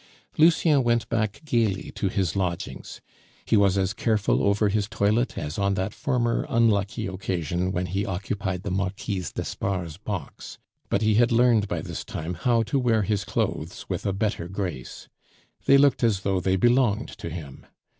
Lucien went back gaily to his lodgings. He was as careful over his toilet as on that former unlucky occasion when he occupied the Marquise d'Espard's box; but he had learned by this time how to wear his clothes with a better grace. They looked as though they belonged to him.